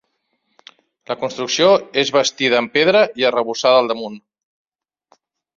La construcció és bastida amb pedra i arrebossada al damunt.